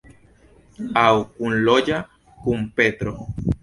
Aŭ kunloĝa kun Petro.